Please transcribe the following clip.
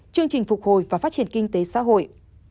chương trình phục hồi và phát triển kinh tế xã hội